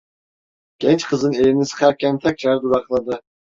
Genç kızın elini sıkarken tekrar durakladı.